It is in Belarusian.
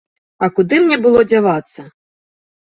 А куды мне было дзявацца?